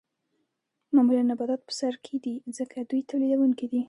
معمولاً نباتات په سر کې دي ځکه دوی تولیدونکي دي